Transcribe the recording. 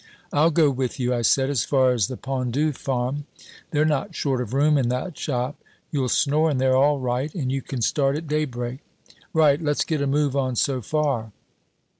"'I'll go with you,' I said, 'as far as the Pendu farm they're not short of room in that shop. You'll snore in there all right, and you can start at daybreak.' "'Right! let's get a move on so far.'